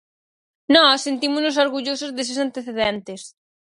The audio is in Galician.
Nós sentímonos orgullosos deses antecedentes.